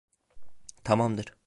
Tamamdır.